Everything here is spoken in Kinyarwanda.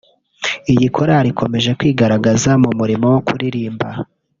Iyi korali ikomeje kwigaragaza mu murimo wo kuririmba